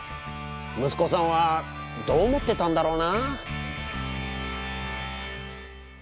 息子さんはどう思ってたんだろうな。